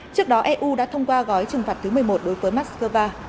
trước đó eu đã thông qua gói trừng phạt thứ một mươi một đối với moscow